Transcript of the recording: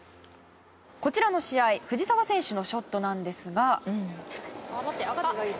こちらの試合藤澤選手のショットなんですが。